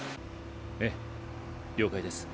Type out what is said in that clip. ええ了解です。